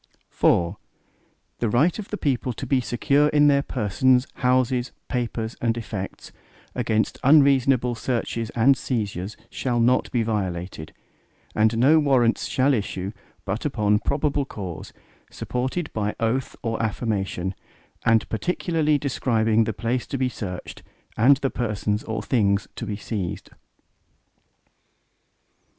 IV The right of the people to be secure in their persons, houses, papers, and effects, against unreasonable searches and seizures, shall not be violated, and no Warrants shall issue, but upon probable cause, supported by oath or affirmation, and particularly describing the place to be searched, and the persons or things to be seized.